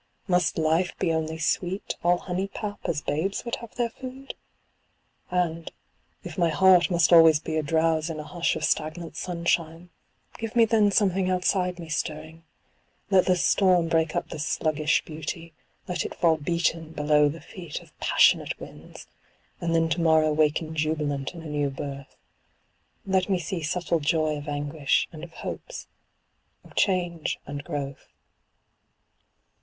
Must life be only sweet, all honey pap as babes would have their food? And, if my heart must always be adrowse in a hush of stagnant sunshine, give me then something outside me stirring; let the storm break up the sluggish beauty, let it fall beaten below the feet of passionate winds, and then to morrow waken jubilant in a new birth: let me see subtle joy of anguish and of hopes, of change and growth.